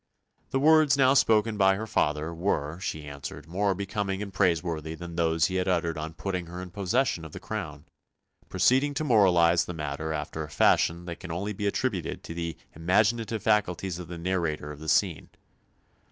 The words now spoken by her father were, she answered, more becoming and praiseworthy than those he had uttered on putting her in possession of the crown; proceeding to moralise the matter after a fashion that can only be attributed to the imaginative faculties of the narrator of the scene.